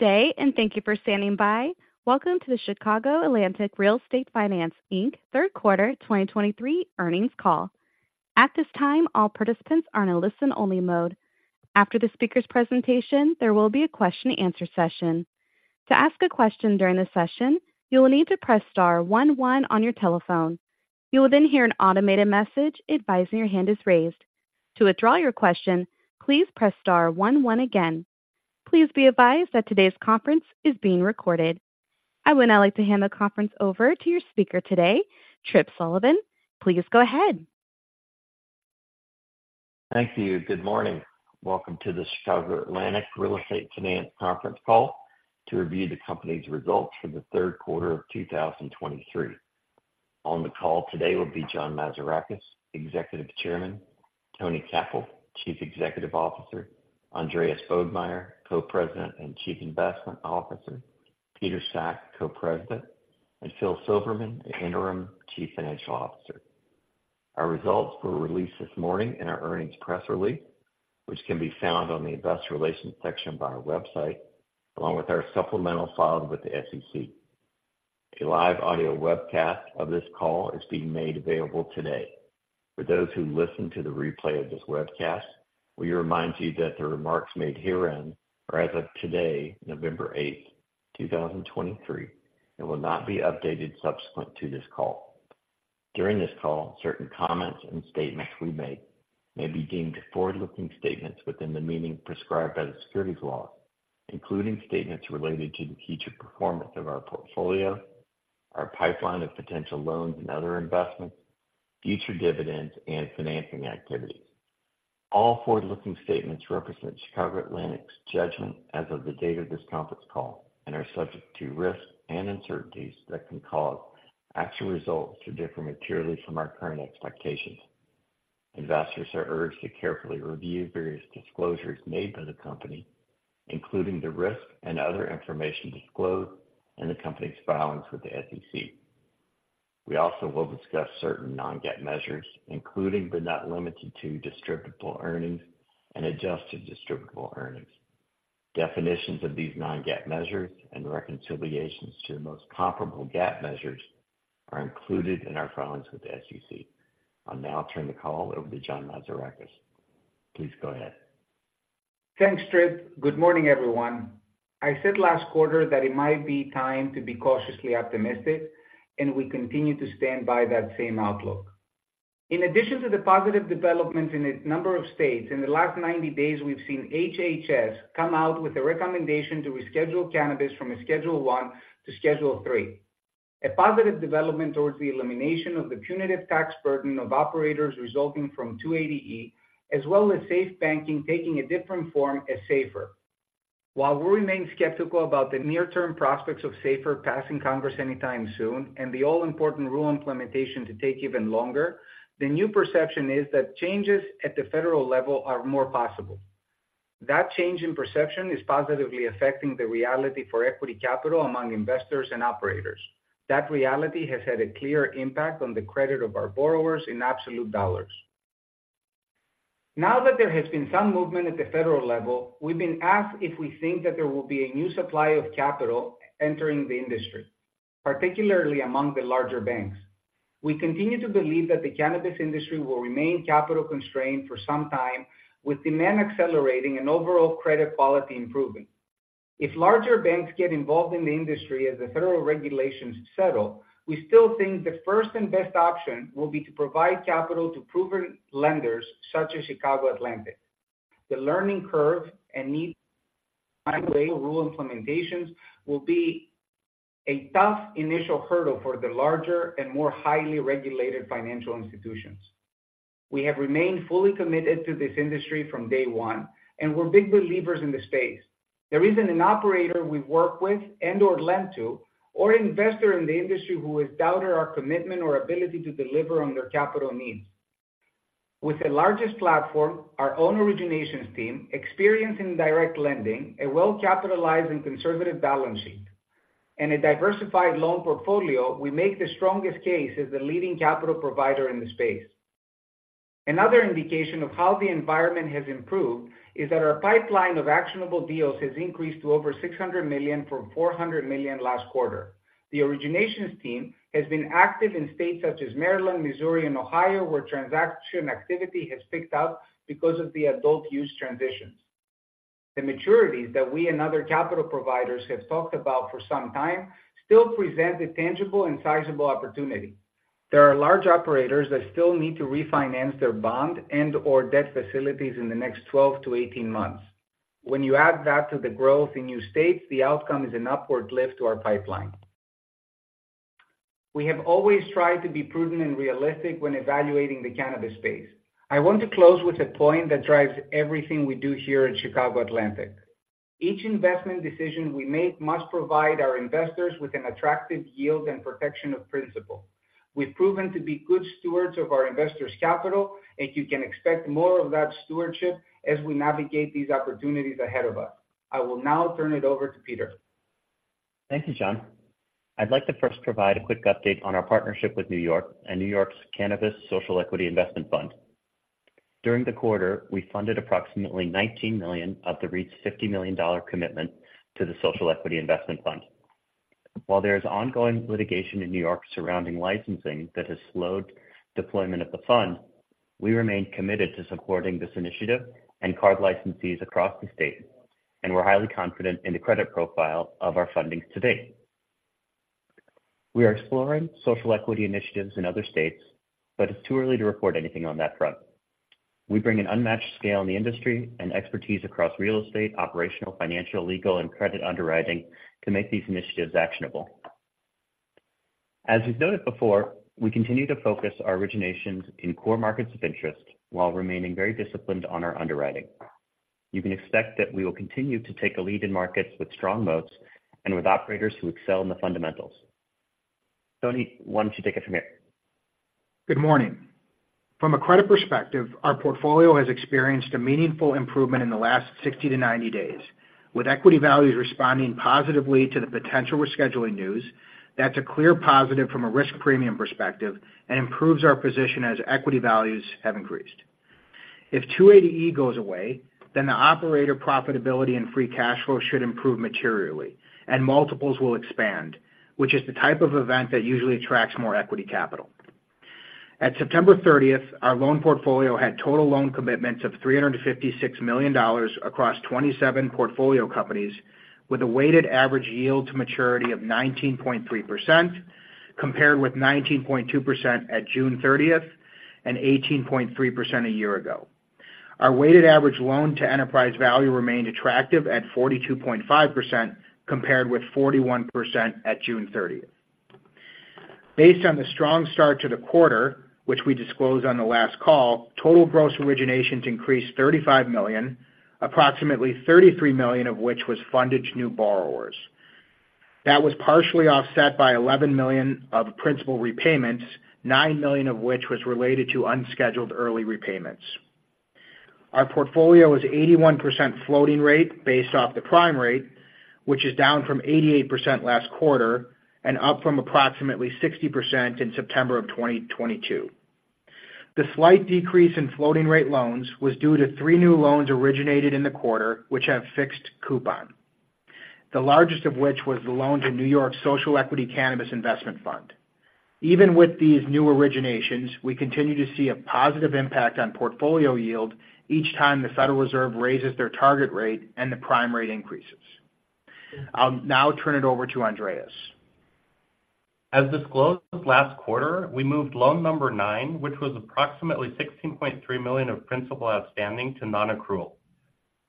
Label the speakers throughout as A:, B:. A: Good day, and thank you for standing by. Welcome to the Chicago Atlantic Real Estate Finance, Inc. third quarter 2023 earnings call. At this time, all participants are in a listen-only mode. After the speaker's presentation, there will be a question-and-answer session. To ask a question during the session, you will need to press star one one on your telephone. You will then hear an automated message advising your hand is raised. To withdraw your question, please press star one one again. Please be advised that today's conference is being recorded. I would now like to hand the conference over to your speaker today, Tripp Sullivan. Please go ahead.
B: Thank you. Good morning. Welcome to the Chicago Atlantic Real Estate Finance conference call to review the company's results for the third quarter of 2023. On the call today will be John Mazarakis, Executive Chairman, Tony Cappell, Chief Executive Officer, Andreas Bodmeier, Co-President and Chief Investment Officer, Peter Sack, Co-President, and Phil Silverman, the Interim Chief Financial Officer. Our results were released this morning in our earnings press release, which can be found on the Investor Relations section of our website, along with our supplemental filed with the SEC. A live audio webcast of this call is being made available today. For those who listen to the replay of this webcast, we remind you that the remarks made herein are as of today, November 8, 2023, and will not be updated subsequent to this call. During this call, certain comments and statements we make may be deemed forward-looking statements within the meaning prescribed by the securities laws, including statements related to the future performance of our portfolio, our pipeline of potential loans and other investments, future dividends, and financing activities. All forward-looking statements represent Chicago Atlantic's judgment as of the date of this conference call and are subject to risks and uncertainties that can cause actual results to differ materially from our current expectations. Investors are urged to carefully review various disclosures made by the company, including the risks and other information disclosed in the company's filings with the SEC. We also will discuss certain non-GAAP measures, including, but not limited to, distributable earnings and adjusted distributable earnings. Definitions of these non-GAAP measures and reconciliations to the most comparable GAAP measures are included in our filings with the SEC. I'll now turn the call over to John Mazarakis. Please go ahead.
C: Thanks, Tripp. Good morning, everyone. I said last quarter that it might be time to be cautiously optimistic, and we continue to stand by that same outlook. In addition to the positive developments in a number of states, in the last 90 days, we've seen HHS come out with a recommendation to reschedule cannabis from a Schedule I to Schedule III, a positive development towards the elimination of the punitive tax burden of operators resulting from 280E, as well as SAFE Banking taking a different form as SAFER. While we remain skeptical about the near-term prospects of SAFER passing Congress anytime soon and the all-important rule implementation to take even longer, the new perception is that changes at the federal level are more possible. That change in perception is positively affecting the reality for equity capital among investors and operators. That reality has had a clear impact on the credit of our borrowers in absolute dollars. Now that there has been some movement at the federal level, we've been asked if we think that there will be a new supply of capital entering the industry, particularly among the larger banks. We continue to believe that the cannabis industry will remain capital constrained for some time, with demand accelerating and overall credit quality improving. If larger banks get involved in the industry as the federal regulations settle, we still think the first and best option will be to provide capital to proven lenders such as Chicago Atlantic. The learning curve and new rule implementations will be a tough initial hurdle for the larger and more highly regulated financial institutions. We have remained fully committed to this industry from day one, and we're big believers in the space. There isn't an operator we've worked with and/or lent to or investor in the industry who has doubted our commitment or ability to deliver on their capital needs. With the largest platform, our own originations team, experience in direct lending, a well-capitalized and conservative balance sheet, and a diversified loan portfolio, we make the strongest case as the leading capital provider in the space. Another indication of how the environment has improved is that our pipeline of actionable deals has increased to over $600 million from $400 million last quarter. The originations team has been active in states such as Maryland, Missouri, and Ohio, where transaction activity has picked up because of the adult use transitions. The maturities that we and other capital providers have talked about for some time still present a tangible and sizable opportunity. There are large operators that still need to refinance their bond and/or debt facilities in the next 12-18 months. When you add that to the growth in new states, the outcome is an upward lift to our pipeline. We have always tried to be prudent and realistic when evaluating the cannabis space. I want to close with a point that drives everything we do here at Chicago Atlantic. Each investment decision we make must provide our investors with an attractive yield and protection of principal. We've proven to be good stewards of our investors' capital, and you can expect more of that stewardship as we navigate these opportunities ahead of us. I will now turn it over to Peter....
D: Thank you, John. I'd like to first provide a quick update on our partnership with New York and New York's Cannabis Social Equity Investment Fund. During the quarter, we funded approximately $19 million of the $50 million commitment to the Social Equity Investment Fund. While there is ongoing litigation in New York surrounding licensing that has slowed deployment of the fund, we remain committed to supporting this initiative and CAURD licensees across the state, and we're highly confident in the credit profile of our fundings to date. We are exploring social equity initiatives in other states, but it's too early to report anything on that front. We bring an unmatched scale in the industry and expertise across real estate, operational, financial, legal, and credit underwriting to make these initiatives actionable. As we've noted before, we continue to focus our originations in core markets of interest while remaining very disciplined on our underwriting. You can expect that we will continue to take a lead in markets with strong moats and with operators who excel in the fundamentals. Tony, why don't you take it from here?
E: Good morning. From a credit perspective, our portfolio has experienced a meaningful improvement in the last 60-90 days, with equity values responding positively to the potential rescheduling news. That's a clear positive from a risk premium perspective and improves our position as equity values have increased. If 280E goes away, then the operator profitability and free cash flow should improve materially and multiples will expand, which is the type of event that usually attracts more equity capital. At September 30th, our loan portfolio had total loan commitments of $356 million across 27 portfolio companies, with a weighted average yield to maturity of 19.3%, compared with 19.2% at June 30th and 18.3% a year ago. Our weighted average loan to enterprise value remained attractive at 42.5%, compared with 41% at June 30th. Based on the strong start to the quarter, which we disclosed on the last call, total gross originations increased $35 million, approximately $33 million of which was funded to new borrowers. That was partially offset by $11 million of principal repayments, $9 million of which was related to unscheduled early repayments. Our portfolio is 81% floating rate based off the prime rate, which is down from 88% last quarter and up from approximately 60% in September 2022. The slight decrease in floating rate loans was due to three new loans originated in the quarter, which have fixed coupon, the largest of which was the loan to New York Social Equity Cannabis Investment Fund. Even with these new originations, we continue to see a positive impact on portfolio yield each time the Federal Reserve raises their target rate and the prime rate increases. I'll now turn it over to Andreas.
F: As disclosed last quarter, we moved loan number nine, which was approximately $16.3 million of principal outstanding, to nonaccrual.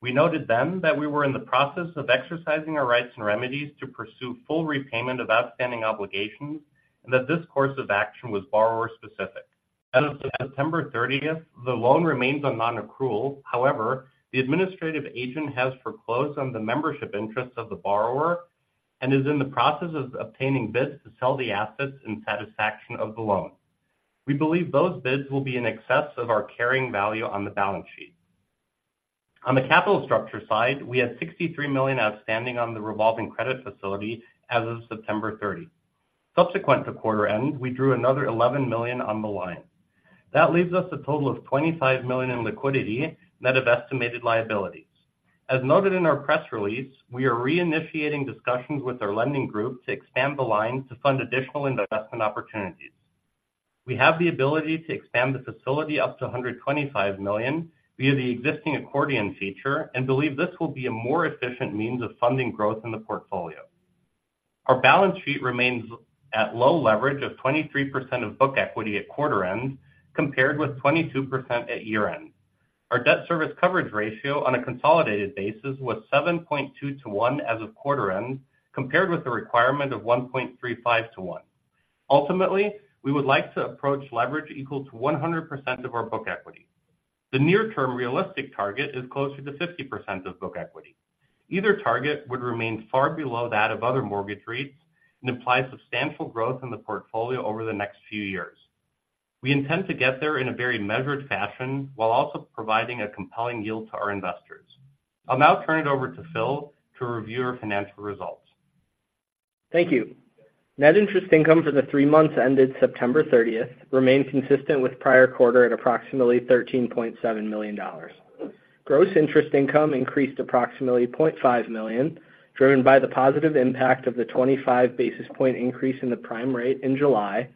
F: We noted then that we were in the process of exercising our rights and remedies to pursue full repayment of outstanding obligations, and that this course of action was borrower-specific. As of September 30th, the loan remains on nonaccrual. However, the administrative agent has foreclosed on the membership interests of the borrower and is in the process of obtaining bids to sell the assets in satisfaction of the loan. We believe those bids will be in excess of our carrying value on the balance sheet. On the capital structure side, we had $63 million outstanding on the revolving credit facility as of September 30. Subsequent to quarter end, we drew another $11 million on the line. That leaves us a total of $25 million in liquidity, net of estimated liabilities. As noted in our press release, we are reinitiating discussions with our lending group to expand the line to fund additional investment opportunities. We have the ability to expand the facility up to $125 million via the existing accordion feature and believe this will be a more efficient means of funding growth in the portfolio. Our balance sheet remains at low leverage of 23% of book equity at quarter end, compared with 22% at year-end. Our debt service coverage ratio on a consolidated basis was 7.2 to 1 as of quarter end, compared with a requirement of 1.35 to 1. Ultimately, we would like to approach leverage equal to 100% of our book equity. The near-term realistic target is closer to 50% of book equity. Either target would remain far below that of other mortgage rates and imply substantial growth in the portfolio over the next few years. We intend to get there in a very measured fashion, while also providing a compelling yield to our investors. I'll now turn it over to Phil to review our financial results.
G: Thank you. Net interest income for the three months ended September thirtieth remained consistent with prior quarter at approximately $13.7 million. Gross interest income increased approximately $0.5 million, driven by the positive impact of the 25 basis point increase in the prime rate in July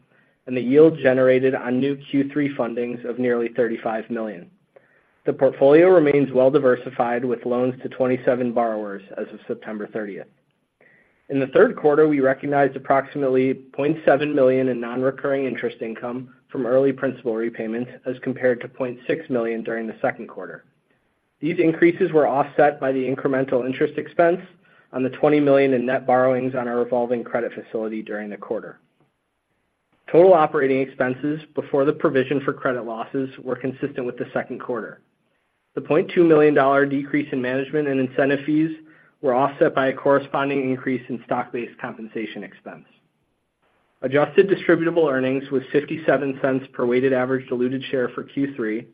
G: and the yield generated on new Q3 fundings of nearly $35 million. The portfolio remains well diversified, with loans to 27 borrowers as of September thirtieth. In the third quarter, we recognized approximately $0.7 million in non-recurring interest income from early principal repayments, as compared to $0.6 million during the second quarter. These increases were offset by the incremental interest expense on the $20 million in net borrowings on our revolving credit facility during the quarter. Total operating expenses before the provision for credit losses were consistent with the second quarter. The $0.2 million decrease in management and incentive fees were offset by a corresponding increase in stock-based compensation expense. Adjusted distributable earnings was $0.57 per weighted average diluted share for Q3,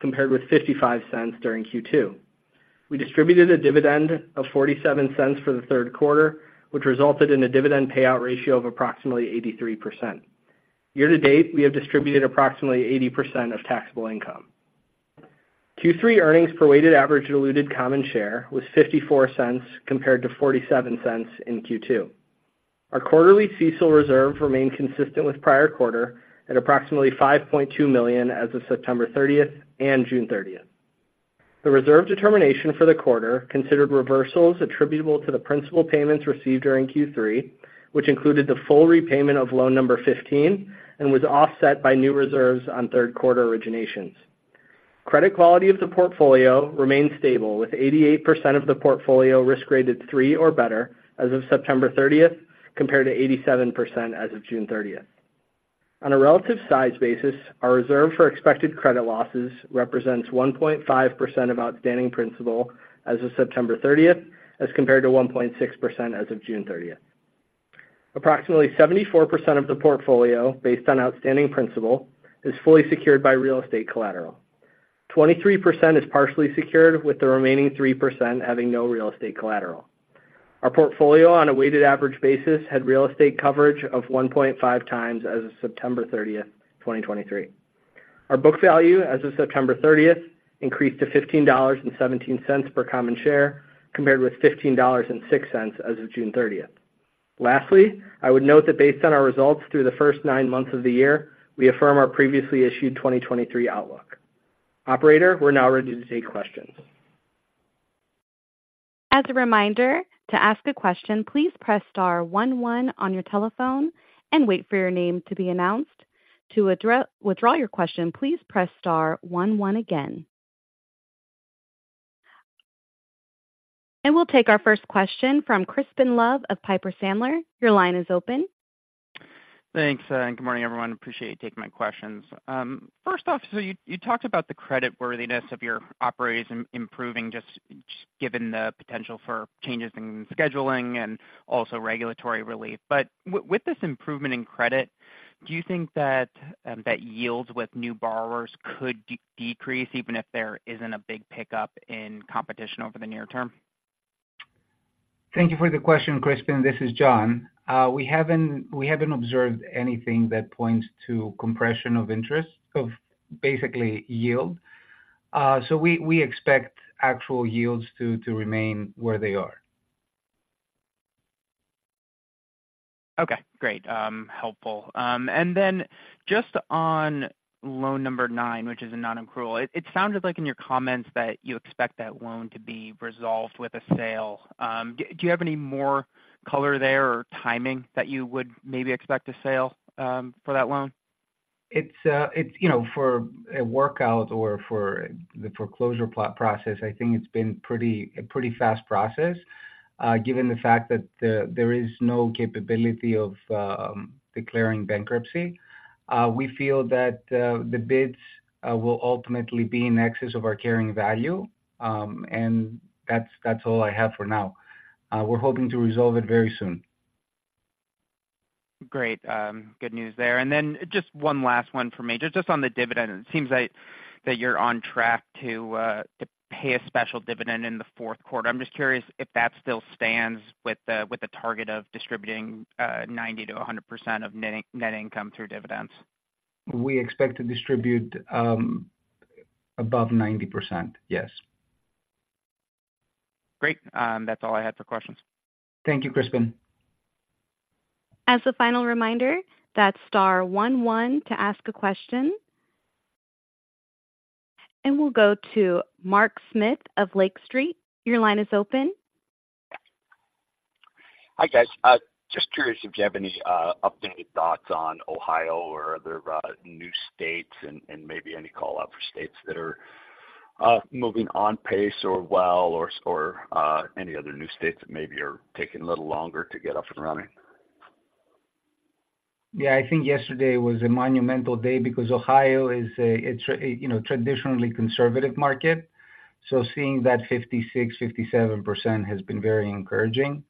G: compared with $0.55 during Q2. We distributed a dividend of $0.47 for the third quarter, which resulted in a dividend payout ratio of approximately 83%. Year to date, we have distributed approximately 80% of taxable income. Q3 earnings per weighted average diluted common share was $0.54 compared to $0.47 in Q2. Our quarterly CECL reserve remained consistent with prior quarter at approximately $5.2 million as of September 30th and June 30th. The reserve determination for the quarter considered reversals attributable to the principal payments received during Q3, which included the full repayment of loan number 15 and was offset by new reserves on third quarter originations. Credit quality of the portfolio remained stable, with 88% of the portfolio risk graded three or better as of September 30th, compared to 87% as of June 30th. On a relative size basis, our reserve for expected credit losses represents 1.5% of outstanding principal as of September 30th, as compared to 1.6% as of June 30th. Approximately 74% of the portfolio, based on outstanding principal, is fully secured by real estate collateral. 23% is partially secured, with the remaining 3% having no real estate collateral. Our portfolio, on a weighted average basis, had real estate coverage of 1.5x as of September 30th, 2023. Our book value as of September 30th increased to $15.17 per common share, compared with $15.06 as of June 30th. Lastly, I would note that based on our results through the first nine months of the year, we affirm our previously issued 2023 outlook. Operator, we're now ready to take questions.
A: As a reminder, to ask a question, please press star one, one on your telephone and wait for your name to be announced. To withdraw your question, please press star one, one again. We'll take our first question from Crispin Love of Piper Sandler. Your line is open.
H: Thanks, and good morning, everyone. Appreciate you taking my questions. First off, so you talked about the creditworthiness of your operators improving, just given the potential for changes in scheduling and also regulatory relief. But with this improvement in credit, do you think that yields with new borrowers could decrease, even if there isn't a big pickup in competition over the near term?
C: Thank you for the question, Crispin. This is John. We haven't observed anything that points to compression of interest, basically yield. So we expect actual yields to remain where they are.
H: Okay, great. Helpful. And then just on loan number nine, which is a non-accrual, it sounded like in your comments that you expect that loan to be resolved with a sale. Do you have any more color there or timing that you would maybe expect a sale for that loan?
C: It's, you know, for a workout or for the foreclosure plot process, I think it's been a pretty fast process. Given the fact that there is no capability of declaring bankruptcy, we feel that the bids will ultimately be in excess of our carrying value. And that's all I have for now. We're hoping to resolve it very soon.
H: Great. Good news there. And then just one last one for me. Just on the dividend, it seems like that you're on track to pay a special dividend in the fourth quarter. I'm just curious if that still stands with the target of distributing 90%-100% of net income through dividends.
C: We expect to distribute above 90%. Yes.
H: Great. That's all I had for questions.
C: Thank you, Crispin.
A: As a final reminder, that's star one, one to ask a question. We'll go to Mark Smith of Lake Street. Your line is open.
I: Hi, guys. Just curious if you have any updated thoughts on Ohio or other new states and maybe any call out for states that are moving on pace or well or any other new states that maybe are taking a little longer to get up and running?
C: Yeah, I think yesterday was a monumental day because Ohio is a you know traditionally conservative market, so seeing that 56%-57% has been very encouraging.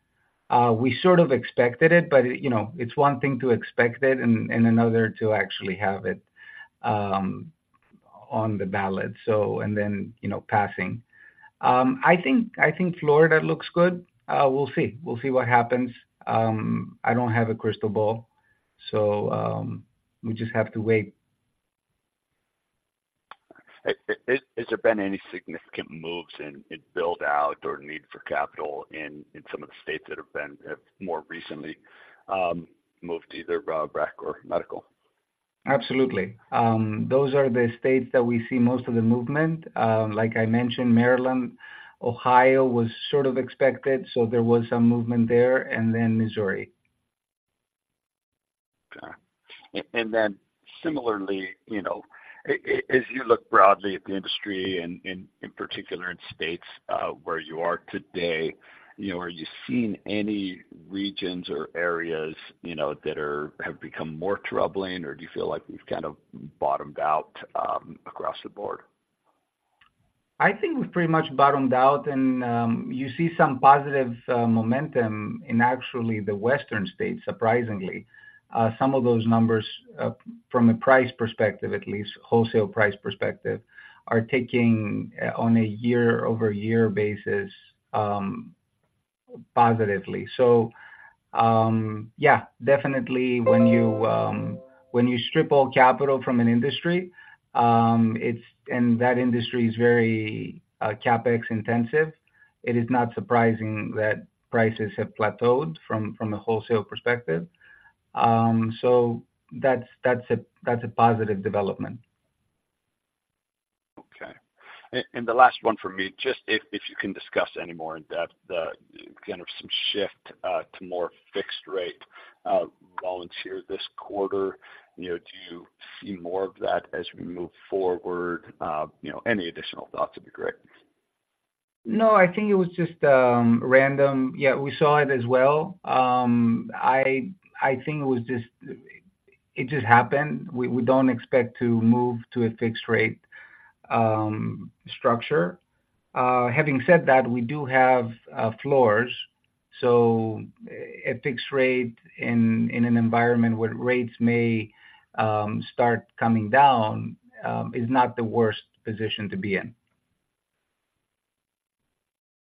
C: We sort of expected it, but you know it's one thing to expect it and another to actually have it on the ballot, so and then you know passing. I think Florida looks good. We'll see. We'll see what happens. I don't have a crystal ball, so we just have to wait.
I: Has there been any significant moves in build-out or need for capital in some of the states that have been more recently moved to either rec or medical?
C: Absolutely. Those are the states that we see most of the movement. Like I mentioned, Maryland, Ohio was sort of expected, so there was some movement there, and then Missouri.
I: Okay. And then similarly, you know, as you look broadly at the industry and in particular in states where you are today, you know, are you seeing any regions or areas, you know, that have become more troubling, or do you feel like we've kind of bottomed out across the board?...
C: I think we've pretty much bottomed out, and you see some positive momentum in actually the Western states, surprisingly. Some of those numbers, from a price perspective, at least, wholesale price perspective, are ticking on a year-over-year basis, positively. So, yeah, definitely when you, when you strip all capital from an industry, it's and that industry is very CapEx intensive, it is not surprising that prices have plateaued from, from a wholesale perspective. So that's, that's a, that's a positive development.
I: Okay. And the last one for me, just if you can discuss any more in-depth the kind of some shift to more fixed rate loans this quarter. You know, do you see more of that as we move forward? You know, any additional thoughts would be great.
C: No, I think it was just random. Yeah, we saw it as well. I think it was just, it just happened. We don't expect to move to a fixed rate structure. Having said that, we do have floors, so a fixed rate in an environment where rates may start coming down is not the worst position to be in.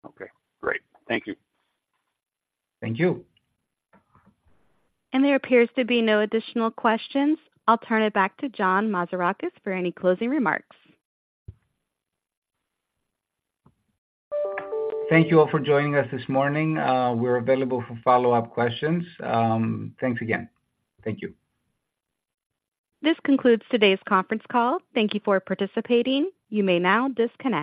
I: Okay, great. Thank you.
C: Thank you.
A: There appears to be no additional questions. I'll turn it back to John Mazarakis for any closing remarks.
C: Thank you all for joining us this morning. We're available for follow-up questions. Thanks again. Thank you.
A: This concludes today's conference call. Thank you for participating. You may now disconnect.